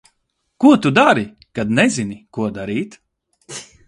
Ko tu dari, kad nezini, ko darīt?